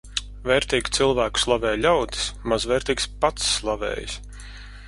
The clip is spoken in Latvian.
Vērtīgu cilvēku slavē ļaudis, mazvērtīgs pats slavējas.